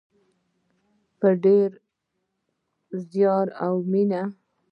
په ډیر زیار او مینه.